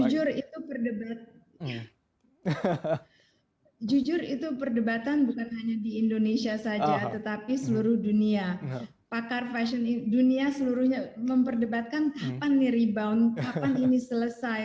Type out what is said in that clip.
jujur itu berdebat jujur itu perdebatan bukan hanya di indonesia saja tetapi seluruh dunia pakar fashion dunia seluruhnya memperdebatkan kapan nih rebound kapan ini selesai